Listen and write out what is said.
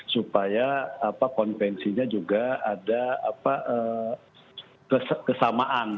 supaya konvensinya juga ada kesamaan